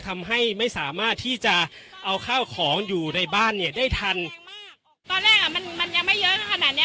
ทำให้ไม่สามารถที่จะเอาข้าวของอยู่ในบ้านเนี่ยได้ทันมากตอนแรกอ่ะมันมันยังไม่เยอะขนาดเนี้ย